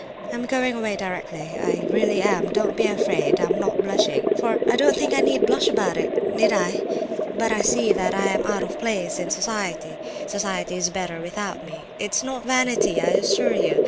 I'm going away directly, I really am—don't be afraid. I am not blushing, for I don't think I need blush about it, need I? But I see that I am out of place in society—society is better without me. It's not vanity, I assure you.